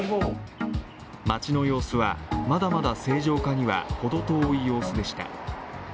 街の様子は、まだまだ正常化にはほど遠い様子でした。